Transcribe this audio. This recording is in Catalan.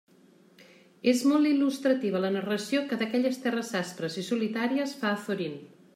És molt il·lustrativa la narració que d'aquelles terres aspres i solitàries fa Azorín.